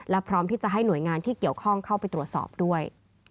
และพร้อมที่จะให้หน่วยงานที่เกี่ยวข้องเข้าไปตรวจสอบด้วย